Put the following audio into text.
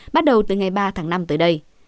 bắt đầu từ ngày ba tháng năm tới đây